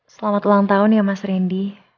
selamat ulang tahun ya mas randy